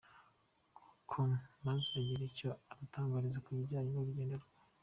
com maze agira icyo adutangariza kubijyanye n’urugendo rwe.